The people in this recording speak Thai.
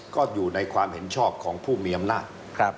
ก็อยู่ในความเห็นชอบของผู้มีอำนาจ